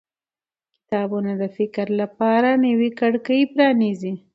کتابونه د فکر لپاره نوې کړکۍ پرانیزي